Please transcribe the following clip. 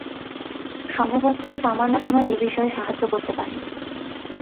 সম্ভবত সামান্না তোমায় এ বিষয়ে সাহায্য করতে পারে।